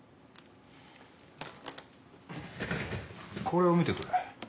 これを見てくれ。